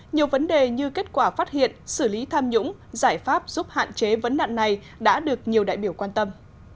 nhiều vấn đề như kết quả phát hiện xử lý tham nhũng giải pháp giúp hạn chế vấn nạn này đã được nhiều đại biểu quan tâm